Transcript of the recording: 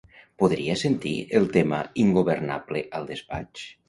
Podria sentir el tema "Ingobernable" al despatx?